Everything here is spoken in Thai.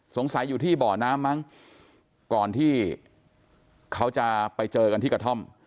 อยู่ที่บ่อน้ำมั้งก่อนที่เขาจะไปเจอกันที่กระท่อม